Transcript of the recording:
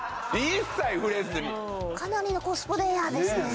かなりのコスプレイヤーですね